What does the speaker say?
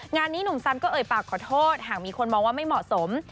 งานนี้หนุ่มสันก็เอ่ยปากขอโทษหากมีคนมองว่าไม่เหมาะสม